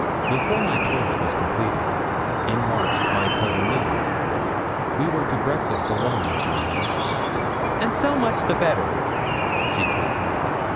Before my toilet was completed, in marched my cousin Milly. We were to breakfast alone that morning, 'and so much the better,' she told me.